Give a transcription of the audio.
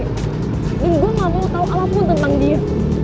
dan gue nggak mau tau apapun tentang dia